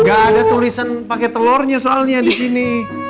nggak ada tulisan pake telurnya soalnya disini